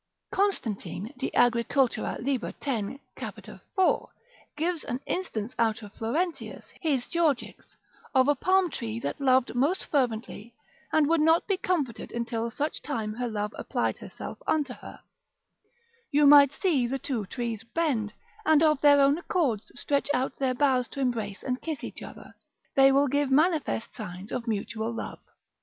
Constantine de Agric. lib. 10. cap. 4. gives an instance out of Florentius his Georgics, of a palm tree that loved most fervently, and would not be comforted until such time her love applied herself unto her; you might see the two trees bend, and of their own accords stretch out their boughs to embrace and kiss each other: they will give manifest signs of mutual love.